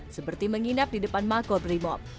seperti menginap di depan makot rimob